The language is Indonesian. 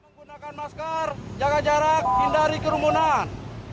menggunakan masker jaga jarak hindari kerumunan